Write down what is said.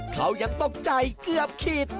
เขายังตกใจเกือบขีด